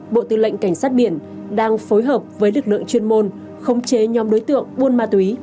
bộ tư lệnh cảnh sát biển đang phối hợp với lực lượng chuyên môn khống chế nhóm đối tượng buôn ma túy